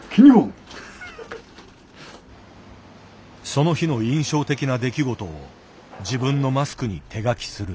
その日の印象的な出来事を自分のマスクに手描きする。